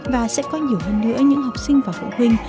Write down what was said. và sẽ có nhiều hơn nữa những học sinh và phụ huynh